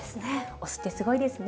お酢ってすごいですね。